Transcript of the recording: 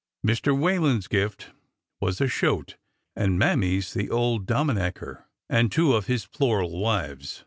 Mr. Whalen's gift was a shote, and Mammy's the old Dominecker " and two of his plural wives.